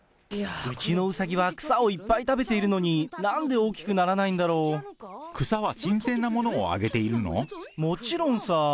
うちのうさぎは草をいっぱい食べているのになんで大きくなら草は新鮮なものをあげているもちろんさ。